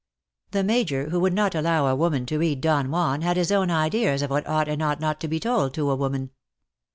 The Major, who would not allow a woman to read ^'^Don Juan," had his own ideas of what ought and ought not to be told to a woman.